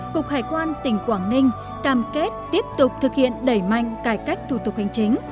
cục hải quan tỉnh quảng ninh cam kết tiếp tục thực hiện đẩy mạnh cải cách thủ tục hành chính